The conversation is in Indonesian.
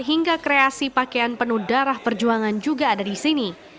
hingga kreasi pakaian penuh darah perjuangan juga ada di sini